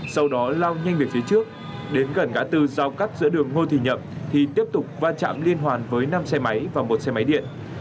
sau đó lao nhanh về phía trước đến gần ngã tư giao cắt giữa đường ngô thị nhậm thì tiếp tục va chạm liên hoàn với năm xe máy và một xe máy điện